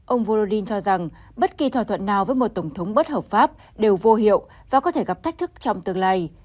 ông vorodin cho rằng bất kỳ thỏa thuận nào với một tổng thống bất hợp pháp đều vô hiệu và có thể gặp thách thức trong tương lai